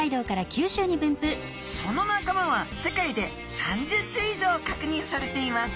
その仲間は世界で３０種以上かくにんされています。